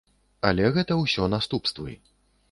Але гэта ўсё наступствы.